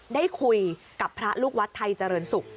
ได้คุยกับพระลูกวัดไทยเจริญศุกร์